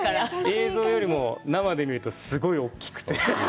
映像よりも生で見るとすごい大きくて。